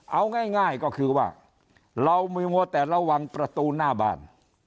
เอาง่ายก็คือว่าเรามีมัวแต่ระวังประตูหน้าบ้าน